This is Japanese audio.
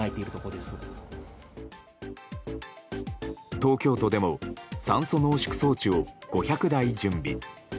東京都でも酸素濃縮装置を５００台準備。